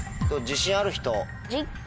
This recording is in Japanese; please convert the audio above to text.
自信ある人。